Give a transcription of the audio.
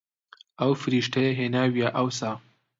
ئەو فریشتەیە هێناویە ئەوسا